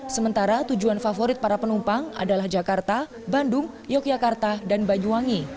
sementara tujuan favorit para penumpang adalah jakarta bandung yogyakarta dan banyuwangi